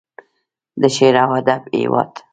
د شعر او ادب هیواد.